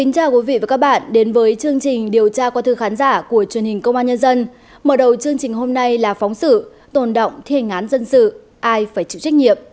cảm ơn các bạn đã theo dõi